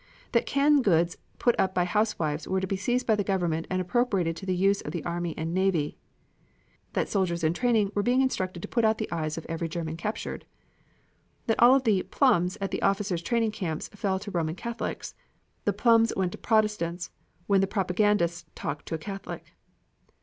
That canned goods put up by the housewives were to be seized by the government and appropriated to the use of the army and navy. That soldiers in training were being instructed to put out the eyes of every German captured. That all of the "plums" at the officers' training camps fell to Roman Catholics. The plums went to Protestants when the propagandist talked to a Catholic.